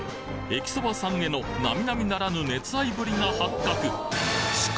えきそばさんへの並々ならぬ熱愛ぶりが発覚！